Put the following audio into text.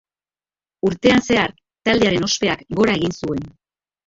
Urtean zehar taldearen ospeak gora egin zuen.